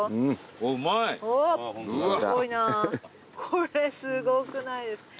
これすごくないですか？